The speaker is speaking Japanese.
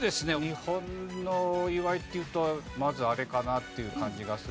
日本のお祝いっていうとまずあれかなっていう感じがするのでお魚。